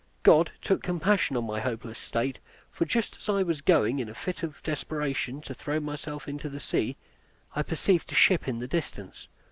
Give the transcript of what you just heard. God took compassion on my hopeless state; for just as I was going, in a fit of desperation, to throw myself into the sea, I perceived a ship in the distance.